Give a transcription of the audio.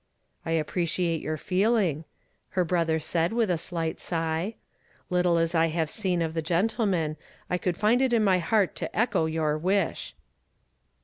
"I api)reciate your feeling," her brother said Avith a slight sigh. "Little as I have seen of the gentleman, I could find it in my heart to echo your wish."